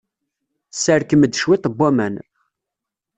Sserkem-d cwiṭ n waman.